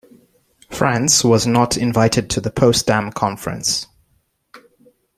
France was not invited to the Potsdam Conference.